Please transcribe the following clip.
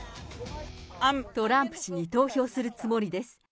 トランプ氏に投票するつもりです。